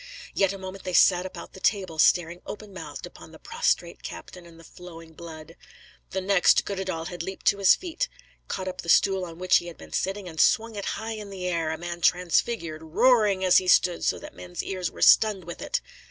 Yet a moment they sat about the table staring open mouthed upon the prostrate captain and the flowing blood. The next, Goddedaal had leaped to his feet, caught up the stool on which he had been sitting, and swung it high in air, a man transfigured, roaring (as he stood) so that men's ears were stunned with it.